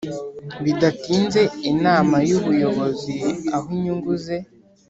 bidatinze Inama y Ubuyobozi aho inyungu ze